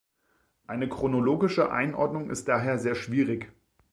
Eine chronologische Einordnung ist daher sehr schwierig.